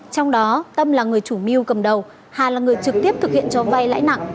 trong đó tâm là người chủ mưu cầm đầu hà là người trực tiếp thực hiện cho vay lãi nặng